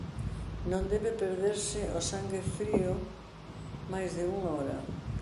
Non debe perderse o sangue frío máis dunha hora.